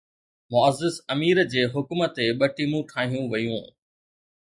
معزز امير جي حڪم تي ٻه ٽيمون ٺاهيون ويون.